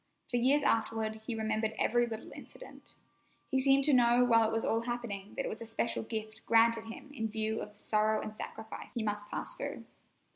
For years afterward he remembered every little incident. He seemed to know while it was all happening that it was a special gift granted him in view of the sorrow and sacrifice he must pass through.